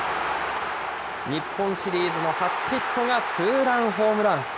日本シリーズの初ヒットがツーランホームラン。